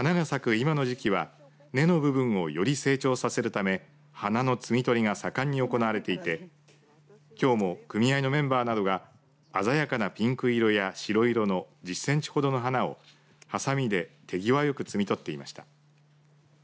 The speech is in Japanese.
今の時期は根の部分をより成長させるため花の摘み取りが盛んに行われていてきょうも組合のメンバーなどがあざやかなピンク色や白色の１０センチほどの花をはさみで手際よく摘み取っていました。